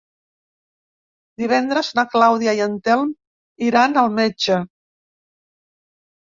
Divendres na Clàudia i en Telm iran al metge.